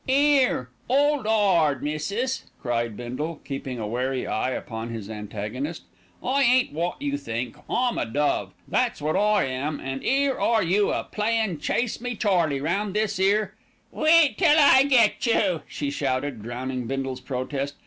"'Ere, old 'ard, missis," cried Bindle, keeping a wary eye upon his antagonist. "I ain't wot you think. I'm a dove, that's wot I am, an' 'ere are you a playin' chase me Charlie round this 'ere " "Wait till I get you," she shouted, drowning Bindle's protest.